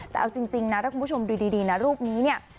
แต่เอาจริงนะถ้าคุณผู้ชมดูดีนะรูปนี้เนี่ย